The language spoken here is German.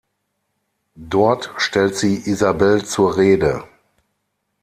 Dort stellt sie Isabelle zur Rede.